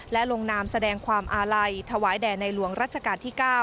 และลงนามแสดงความอาลัยถวายแด่ในหลวงรัชกาลที่๙